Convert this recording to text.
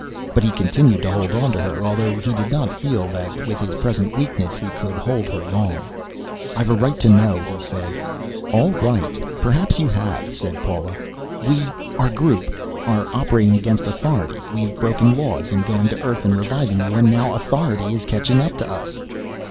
But he continued to hold onto her, although he did not feel that with his present weakness he could hold her long. "I've a right to know," he said. "All right, perhaps you have," said Paula. "We our group are operating against authority. We've broken laws, in going to Earth and reviving you. And now authority is catching up to us."